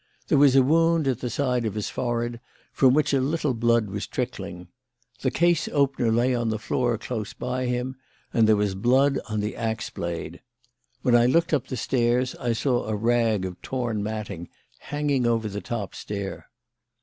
There was a wound at the side of his forehead from which a little blood was trickling. The case opener lay on the floor close by him and there was blood on the axe blade. When I looked up the stairs I saw a rag of torn matting hanging over the top stair.